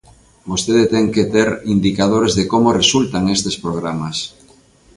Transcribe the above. Vostede ten que ter indicadores de como resultan estes programas.